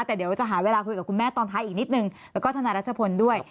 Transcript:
แต่เดี๋ยวจะหาเวลาคุยกับคุณแม่ตอนท้ายอีกนิดนึงแล้วก็ทนายรัชพลด้วย